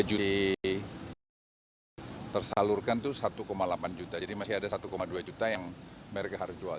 jadi tersalurkan itu satu delapan juta jadi masih ada satu dua juta yang mereka harus jual